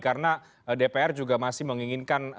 karena dpr juga masih menginginkan